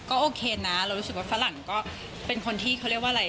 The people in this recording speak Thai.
ก็โอเคนะเรารู้สึกว่าฝรั่งก็เป็นคนที่เขาเรียกว่าอะไร